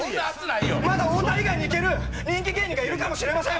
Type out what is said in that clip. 「まだ太田以外にいける人気芸人がいるかもしれません」みたいな。